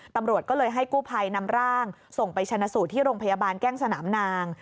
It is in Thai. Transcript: ตำรวจก็เลยให้กู้ภัยนำร่างส่งไปชนะสูตรที่โรงพยาบาลแก้งสนามนาง